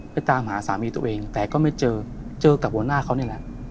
ไปตามหาสามีตัวเองแต่ก็ไม่เจอเจอกับหัวหน้าเขานี่แหละ